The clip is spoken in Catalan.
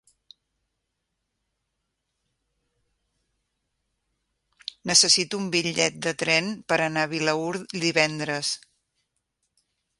Necessito un bitllet de tren per anar a Vilaür divendres.